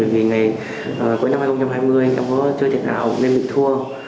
vì ngày cuối năm hai nghìn hai mươi em có chơi thiệt hảo nên bị thua